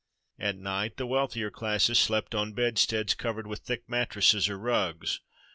At night the wealthier classes slept on bedsteads covered with thick mattresses or rugs.